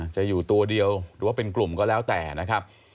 จะอยู่ตัวเดียวหรือว่าเป็นกลุ่มก็แล้วแต่นะครับ